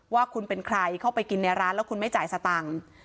ว่าคุณเป็นใครเข้าไปกินในร้านแล้วคุณไม่จ่ายสตังค์